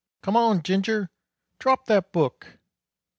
"Come on, Ginger, drop that book!"